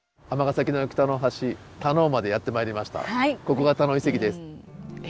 ここが田能遺跡です。